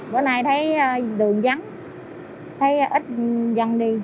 hôm nay thấy đường vắng thấy ít dân đi